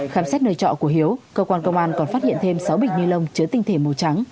khám xét nơi trọ của hiếu cơ quan công an còn phát hiện thêm sáu bịch ni lông chứa tinh thể màu trắng